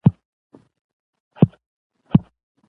تعلیم نجونو ته د ریاضي فورمولونه ور زده کوي.